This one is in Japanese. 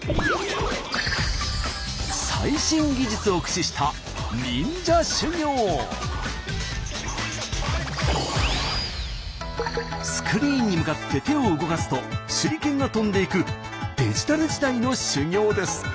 そしてスクリーンに向かって手を動かすと手裏剣が飛んでいくデジタル時代の修行です。